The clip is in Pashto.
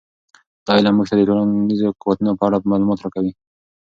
دا علم موږ ته د ټولنیزو قوتونو په اړه معلومات راکوي.